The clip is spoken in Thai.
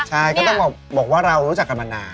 ใช่ก็ต้องบอกว่าเรารู้จักกันมานาน